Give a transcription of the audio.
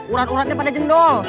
urat uratnya pada jendol